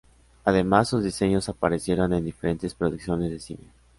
Además sus diseños aparecieron en diferentes producciones de cine.